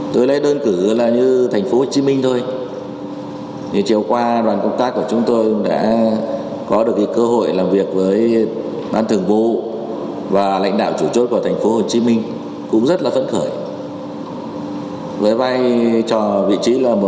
tiêu biểu như thành phố hồ chí minh đã phấn đấu đạt tổng số thu ngân sách vượt dự toán cao hơn kỳ năm hai nghìn hai mươi